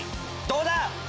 どうだ！